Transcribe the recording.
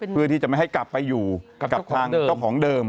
เพื่อที่จะไม่ให้กลับไปอยู่กับทางเจ้าของเดิม